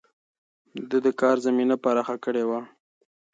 ده د کار زمينه پراخه کړې وه.